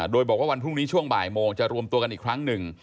โดยบอกว่าวันพรุ่งนี้ช่วงบ่ายโมงจะรวมตัวกันอีกครั้งหนึ่ง